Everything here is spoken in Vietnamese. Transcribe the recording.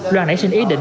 loan nãy xin ý định